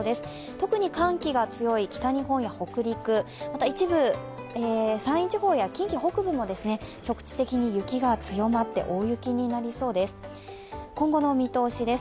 特に寒気が強い北日本や北陸、一部、山陰地方や近畿北部も局地的に雪が強まって大雪になりそうです。